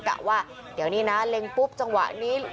กะว่าเดี๋ยวนี้นะเล็งปุ๊บจังหวะนี้